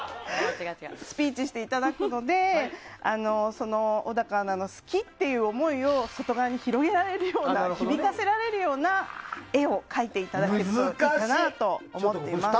スピーチしていただくので小高アナの好きっていう思いを響かせられるような絵を描いていただければいいかなと思っています。